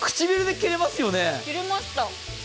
切れました。